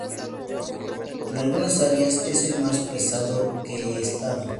En algunas áreas, es el más pesado que he estado".